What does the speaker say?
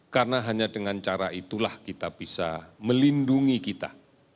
karena hanya dengan cara itulah kita bisa melindungi kita